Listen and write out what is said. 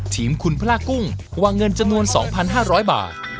ทีมคุณพระกุ้งวางเงินจำนวน๒๕๐๐บาท